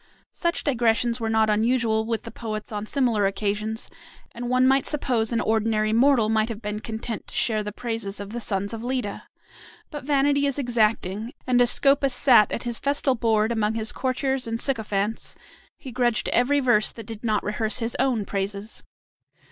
Such digressions were not unusual with the poets on similar occasions, and one might suppose an ordinary mortal might have been content to share the praises of the sons of Leda. But vanity is exacting; and as Scopas sat at his festal board among his courtiers and sycophants, he grudged every verse that did not rehearse his own praises.